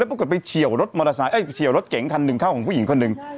แล้วก็กดไปเฉียวรถเก๋งคันหนึ่งข้าวของผู้หญิงคนหนึ่ง